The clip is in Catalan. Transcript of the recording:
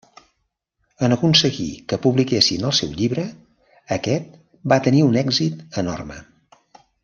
En aconseguir que publiquessin el seu llibre, aquest va tenir un èxit enorme.